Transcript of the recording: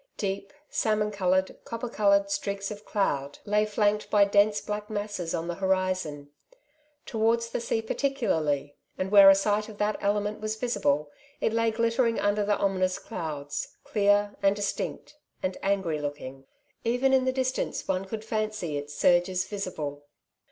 Deep salmon coloured, copper coloured streaks of cloud g6 " Two Sides to every Question^ lay flanked by dense black masses on the horizon — towards the sea particularly, and where a sight of that element was yisible, it lay glittering under the ominous clouds, clear, and distinct, and angry looking. Even in the distance one could fancy its surges visible.